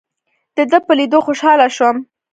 دده په لیدو خوشاله شوم.